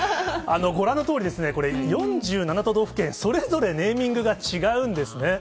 ご覧のとおり、４７都道府県それぞれネーミングが違うんですね。